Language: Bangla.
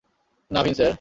নাভিন, স্যার!